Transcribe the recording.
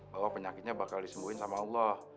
bahwa penyakitnya bakal disembuhin sama allah